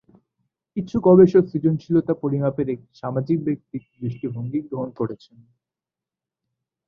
কিছু গবেষক সৃজনশীলতা পরিমাপের একটি সামাজিক-ব্যক্তিত্ব দৃষ্টিভঙ্গি গ্রহণ করেছেন।